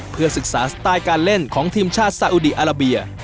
เพื่อศึกษาสไตล์การเล่นของทีมชาติ